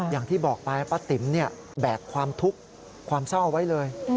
อย่างที่บอกไปป้าติ๋มแบกความทุกข์ความเศร้าเอาไว้เลย